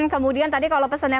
kemudian tadi kalau pesannya